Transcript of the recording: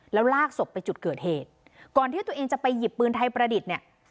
แล้วลากศพไปจุดเกิดเหตุก่อนที่ตัวเองจะไปหยิบปืนไทยประดิษฐ์เนี่ย